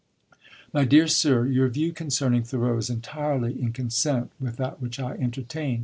"MY DEAR SIR, Your view concerning Thoreau is entirely in consent with that which I entertain.